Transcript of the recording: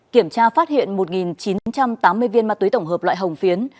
kiểm tra phát hiện một chín trăm tám mươi viên ma túy tổng hợp loại hồng phiến